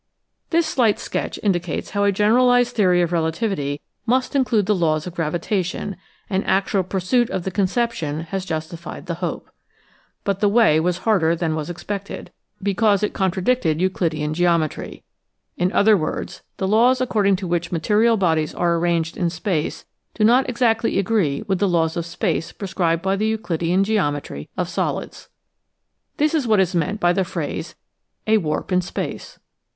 This slight sketch indicates how a generalized theory of relativity must include the laws of gravitation, and actual pursuit of the conception has justified the hope. But the way was harder than was expected, because it contradicted Euclidean geometry. In other words, the laws according to which material bodies are arranged in space do not exactly agree with the laws of space pre scribed by the Euclidean geometry of solids. This is what is meant by the phrase " a warp in space."